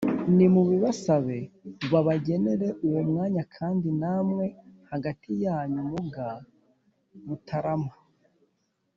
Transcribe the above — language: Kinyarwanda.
nimubibasabe babagenere uwo mwanya kandi namwe hagati yanyu muga mutarama